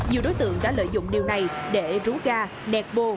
nhiều đối tượng đã lợi dụng điều này để rú ga nẹt bô